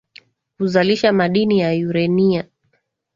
kuzalisha madini ya urenia